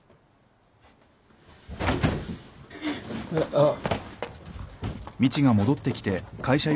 あっ。